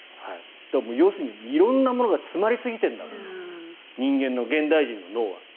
要するに色んなものが詰まりすぎているんだと人間の現代人の脳は。